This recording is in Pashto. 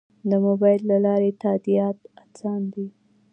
د موبایل له لارې تادیات اسانه دي؟